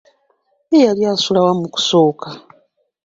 Ye yali asula wa mu kusooka?